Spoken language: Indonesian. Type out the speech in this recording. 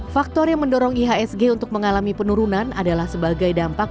faktor yang mendorong ihsg untuk mengalami penurunan adalah sebagai dampak